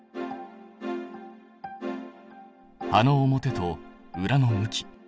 葉の表と裏の向き。